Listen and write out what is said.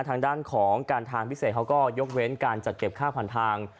ทางด้านของการทางพิเศษเขาก็ยกเว้นการจัดเก็บค่าผ่านทาง